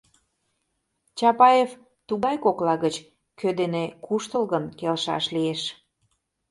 Чапаев тугай кокла гыч, кӧ дене куштылгын келшаш лиеш.